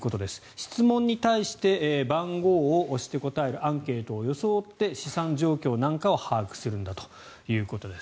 質問に対して番号を押して答えるアンケートを装って資産状況なんかを把握するんだということです。